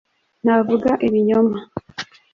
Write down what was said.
ntavuga ibinyoma